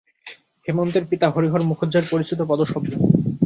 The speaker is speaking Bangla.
হেমন্তের পিতা হরিহর মুখুজ্যের পরিচিত পদশব্দ।